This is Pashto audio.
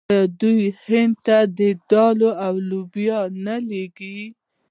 آیا دوی هند ته دال او لوبیا نه لیږي؟